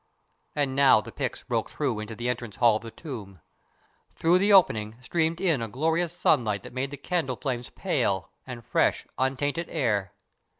And now the picks broke down into the entrance hall of the tomb. Through the opening streamed in a glorious sunlight that made the candle flames pale, and fresh, untainted air.